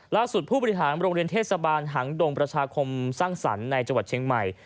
ผู้บริหารโรงเรียนเทศบาลหางดงประชาคมสร้างสรรค์ในจังหวัดเชียงใหม่